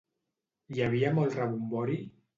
Hi havia molt rebombori?